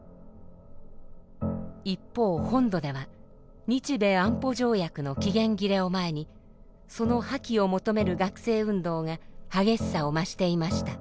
一方本土では日米安保条約の期限切れを前にその破棄を求める学生運動が激しさを増していました。